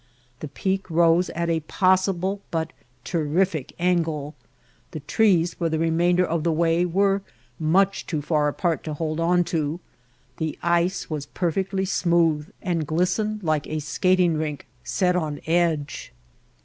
The peak rose at a possible, but terrific angle; the trees for the remainder of the way were much too far apart to hold on to; the ice was perfectly smooth, and glistened like a skating rink set on edge.